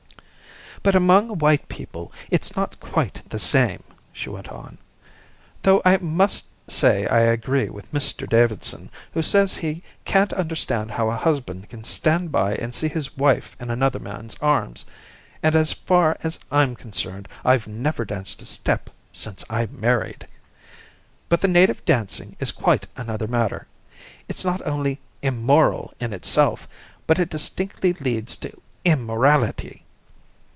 "But among white people it's not quite the same," she went on, "though I must say I agree with Mr Davidson, who says he can't understand how a husband can stand by and see his wife in another man's arms, and as far as I'm concerned I've never danced a step since I married. But the native dancing is quite another matter. It's not only immoral in itself, but it distinctly leads to immorality.